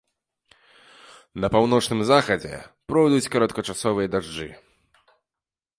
На паўночным захадзе пройдуць кароткачасовыя дажджы.